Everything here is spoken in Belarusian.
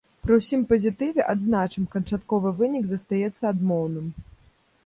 Пры ўсім пазітыве, адзначым, канчатковы вынік застаецца адмоўным.